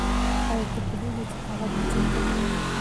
آیا ته پوهېږې چې هغه چېرته دی؟